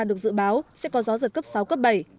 được dự báo sẽ có gió giật cấp sáu cấp bảy